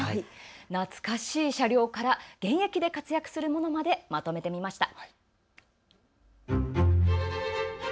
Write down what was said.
懐かしい車両から現役で活躍するものまでまとめてみました。